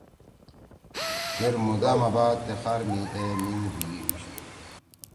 چیر مودا ما بعد تے خار می اے میِنگ ہیِلی ہُوشُو۔